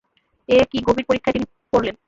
এ কী গভীর পরীক্ষায় তিনি পড়লেন।